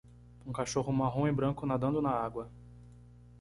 um cachorro marrom e branco nadando na água